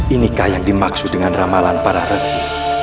inikah yang dimaksud dengan ramalan para rasi